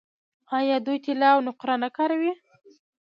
آیا دوی طلا او نقره نه کاروي؟